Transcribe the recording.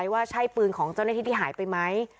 ว่าใช่ปืนของเจ้าหน้าที่ที่หายไปไหม